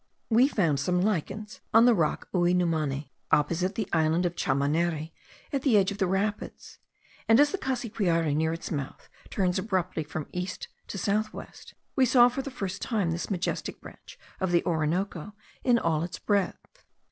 We found some lichens on the rock Uinumane, opposite the island of Chamanare, at the edge of the rapids; and as the Cassiquiare near its mouth turns abruptly from east to south west, we saw for the first time this majestic branch of the Orinoco in all its breadth.